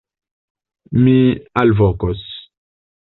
Mi alvokos!